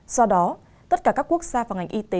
do đó tất cả các quốc gia và ngành y tế